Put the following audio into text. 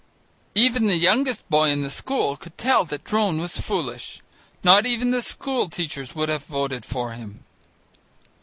Even the youngest boy in the school could tell that Drone was foolish. Not even the school teachers would have voted for him.